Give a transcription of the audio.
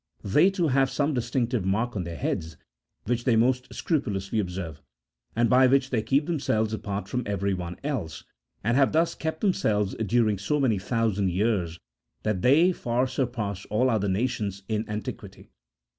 They, too, have some distinctive mark on their heads which they most scrupulously observe, and by which they keep themselves apart from everyone else, and have thus kept themselves during so many thousand years that they far surpass all other nations in antiquity.